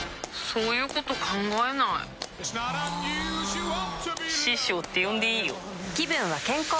そういうこと考えないあ師匠って呼んでいいよぷ